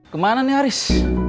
kemana nih haris